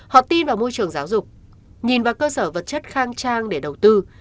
họ tin vào môi trường giáo dục nhìn vào cơ sở vật chất khang trang để đầu tư